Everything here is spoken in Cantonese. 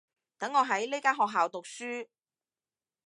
等我喺呢間學校讀書